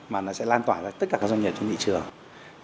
mà nó sẽ lan tỏa vào tất cả các doanh nghiệp trong thị trường